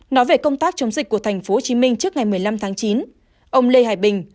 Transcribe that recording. nói về công tác chống dịch của tp hcm trước ngày một mươi năm tháng chín ông lê hải bình